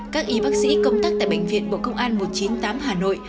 các y bác sĩ công tác tại bệnh viện bộ công an một trăm chín mươi tám hà nội